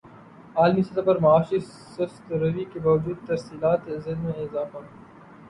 عالمی سطح پر معاشی سست روی کے باوجود ترسیلات زر میں اضافہ